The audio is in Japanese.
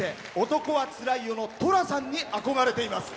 「男はつらいよ」の寅さんに憧れています。